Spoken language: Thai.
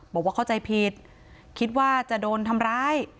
บอกว่าเข้าใจผิดคิดว่าจะโดนทำร้าย